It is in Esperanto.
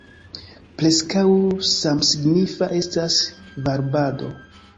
Preskaŭ samsignifa estas varbado.